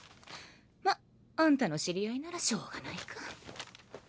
まあんたの知り合いならしょうがないか。